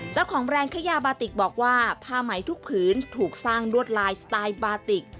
แบรนด์ขยาบาติกบอกว่าผ้าไหมทุกผืนถูกสร้างลวดลายสไตล์บาติก